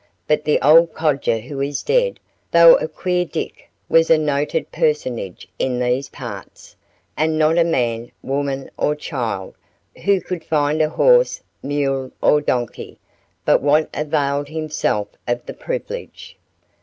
"But the old codger who is dead, though a queer dick was a noted personage in these parts, and not a man, woman or child, who could find a horse, mule or donkey, but what availed himself of the privilege.